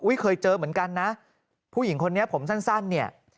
เคยเจอเหมือนกันนะผู้หญิงคนนี้ผมสั้นเนี่ย